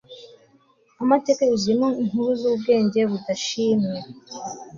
amateka yuzuyemo inkuru zubwenge budashimwe